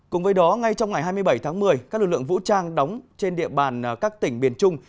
cùng với đó ngay trong ngày hai mươi bảy tháng một mươi các lực lượng vũ trang đóng trên địa bàn các tỉnh biển trung